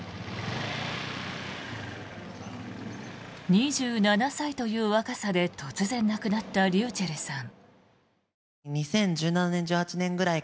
２７歳という若さで突然亡くなったｒｙｕｃｈｅｌｌさん。